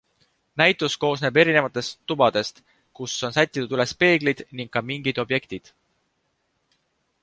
Näitus koosneb erinevatest tubadest, kus on sätitud üles peeglid ning ka mingid objektid.